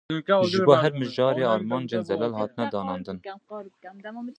Ji bo her mijarê armancên zelal hatine danandin?